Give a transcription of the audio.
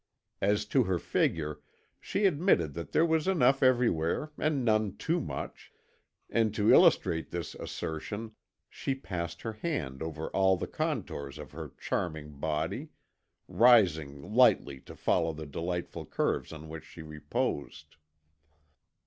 As to her figure, she admitted that there was enough everywhere and none too much, and to illustrate this assertion she passed her hand over all the contours of her charming body, rising lightly to follow the delightful curves on which she reposed.